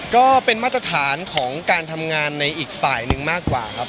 ก็เป็นมาตรฐานของการทำงานในอีกฝ่ายหนึ่งมากกว่าครับ